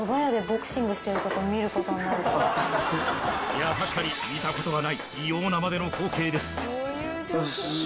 いやぁ確かに見たことがない異様なまでの光景です。